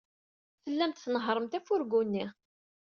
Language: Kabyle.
Tellamt tnehhṛemt afurgu-nni.